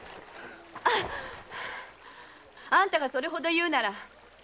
あんたがそれほど言うなら。